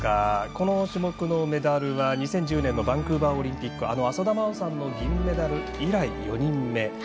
この種目のメダルは２０１０年のバンクーバーオリンピックあの浅田真央さんの銀メダル以来４人目。